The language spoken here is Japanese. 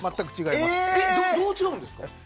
どう違うんですか？